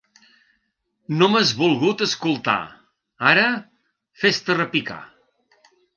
No m'has volgut escoltar; ara, fes-te repicar!